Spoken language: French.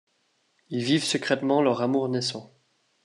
Ils vivent secrètement leur amour naissant.